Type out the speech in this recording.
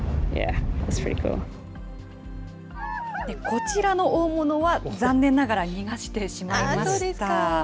こちらの大物は、残念ながら逃がしてしまいました。